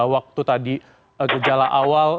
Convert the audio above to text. waktu tadi gejala awal